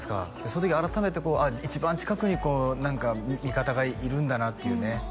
その時改めてこう一番近くに何か味方がいるんだなっていうね